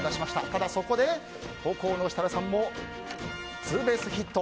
ただ、そこで後攻の設楽さんもツーベースヒット。